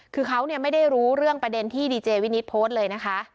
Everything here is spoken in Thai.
คือเขาไม่ได้รู้เรื่องประเด็นที่ดีเจวินิตโพสต์เลยนะคะ